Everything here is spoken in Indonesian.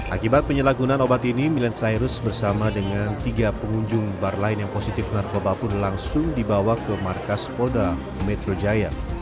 akibat penyalahgunaan obat ini milen cyrus bersama dengan tiga pengunjung bar lain yang positif narkoba pun langsung dibawa ke markas polda metro jaya